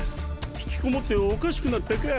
引きこもっておかしくなったか？